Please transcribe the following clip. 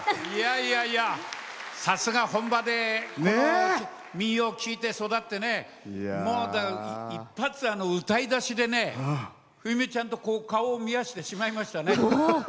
いやいや、さすが本場で民謡を聴いて育って一発、歌い出しでね冬美ちゃんと顔を見合わせてしまいましたね。